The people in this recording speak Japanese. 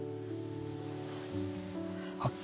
あっ。